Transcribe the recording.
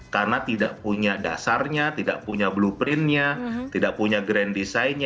karena tidak punya dasarnya tidak punya blueprintnya tidak punya grand designnya